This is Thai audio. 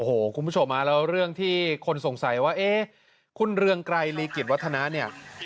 โอ้โหคุณผู้ชมแล้วเรื่องที่คนสงสัยว่าเอ๊ะคุณเรืองไกรลีกิจวัฒนาเนี่ย